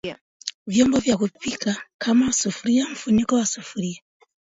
vyombo vya kupika kama Sufuria mfuniko wa sufuria